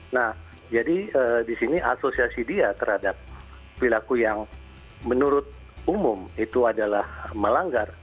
nah jadi disini asosiasi dia terhadap pelaku yang menurut umum itu adalah melanggar